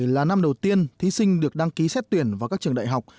hai nghìn một mươi bảy là năm đầu tiên thí sinh được đăng ký xét tuyển vào các trường đại học